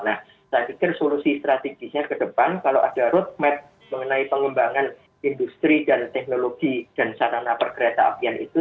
nah saya pikir solusi strategisnya ke depan kalau ada roadmap mengenai pengembangan industri dan teknologi dan sarana perkereta apian itu